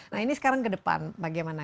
nah ini sekarang ke depan bagaimana